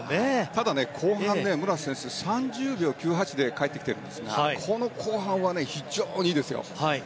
ただ、後半、武良選手は３０秒９８で帰ってきてるんですが後半は非常に良かったですよ。